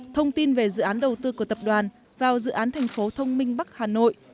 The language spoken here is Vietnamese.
thông tin về dự án đầu tư của tập đoàn vào dự án thành phố thông minh bắc hà nội